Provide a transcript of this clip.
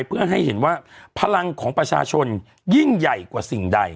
เพื่อให้เห็นว่าพลังของประชาชนยิ่งใหญ่กว่าสิ่งใด